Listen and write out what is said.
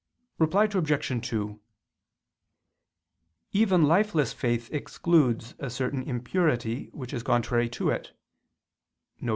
Reply Obj. 2: Even lifeless faith excludes a certain impurity which is contrary to it, viz.